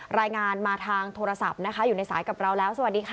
รายงานมาทางโทรศัพท์นะคะอยู่ในสายกับเราแล้วสวัสดีค่ะ